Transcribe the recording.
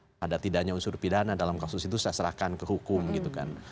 tidak ada pindahnya unsur pidana dalam kasus itu seserahkan ke hukum gitu kan